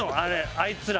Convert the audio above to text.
あいつら。